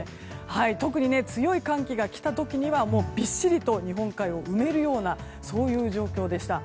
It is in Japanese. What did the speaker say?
特に強い寒気が来た時にはびっしりと日本海を埋めるような状況でした。